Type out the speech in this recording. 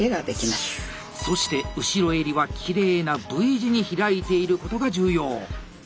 そして後ろ襟はきれいなＶ字に開いていることが重要。